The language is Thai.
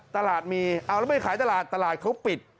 ตลาดมีเอาแล้วไม่ขายตลาดตลาดเขาปิด